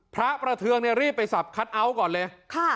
พระประเทืองรีบไปสับคัทเอาท์ก่อนเลย